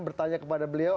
bertanya kepada beliau